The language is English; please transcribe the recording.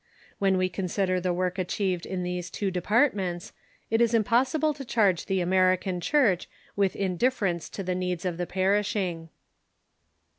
When we consider the work achieved in these two de partments, it is impossible to charge the American Church with indiiFerence to the needs of the perishing.